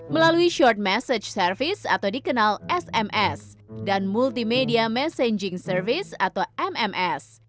melalui short message service atau dikenal sms dan multimedia messaging service atau mms